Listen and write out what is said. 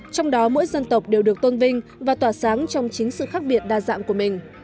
trong đó mỗi dân tộc đều được tôn vinh và tỏa sáng trong chính sự khác biệt đa dạng của mình